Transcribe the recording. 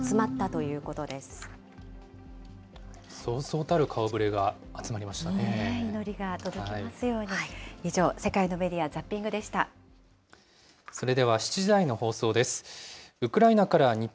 そうそうたる顔ぶれが集まりましたね。